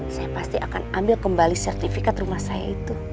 saya pasti akan ambil kembali sertifikat rumah saya itu